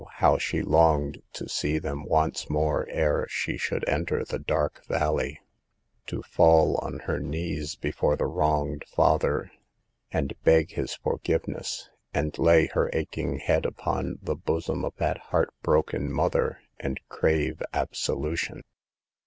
how' she longed to see them once more ere she should enter the dark valley ; to fall on her knees before that wronged father and beg his A LOST WOMAN SATED. 115 forgiveness, and lay her aching head upon the bosom of that heart broken mother and crave absolution.